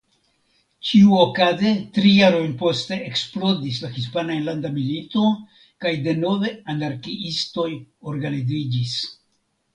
Ĉiuokaze tri jarojn poste eksplodis la Hispana Enlanda Milito kaj denove anarkiistoj organiziĝis.